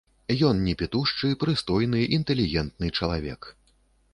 Ён не пітушчы, прыстойны, інтэлігентны чалавек.